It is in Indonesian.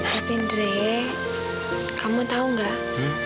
tapi andre kamu tahu nggak